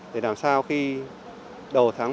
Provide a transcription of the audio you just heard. để làm sao khi đầu tháng năm